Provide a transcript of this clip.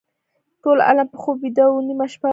ټول عالم په خوب ویده و نیمه شپه وه.